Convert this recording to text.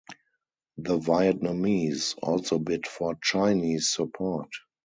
The Vietnamese also bid for Chinese support.